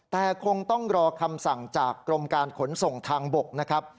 แต่คงต้องรอคำสั่งจากกรมการขนส่งทางบกนะครับ